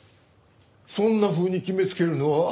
そんなふうに決めつけるのはどうかなあ。